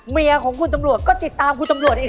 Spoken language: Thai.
เมียของคุณตำรวจก็ติดตามคุณตำรวจเอง